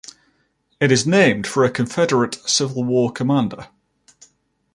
It is named for a Confederate Civil War commander.